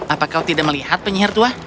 apa kau tidak melihat penyihir tua